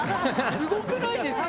すごくないですか？